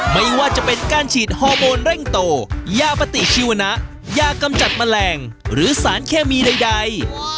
ไม่ว่าจะเป็นการฉีดฮอร์โมนเร่งโตยาปฏิชีวนะยากำจัดแมลงหรือสารเคมีใด